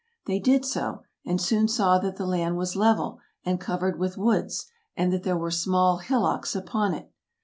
They did so, and soon saw that the land was level, and covered with woods, and that there were small hillocks upon it.